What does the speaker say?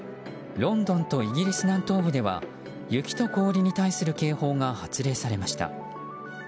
ロンドンとイギリス南東部では雪と氷に対する警報が発令されました。